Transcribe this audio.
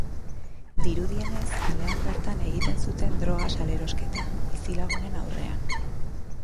Dirudienez, kalean bertan egiten zuten droga-salerosketa, bizilagunen aurrean.